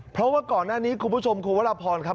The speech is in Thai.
เพราะว่าก่อนหน้านี้คุณผู้ชมคุณวรพรครับ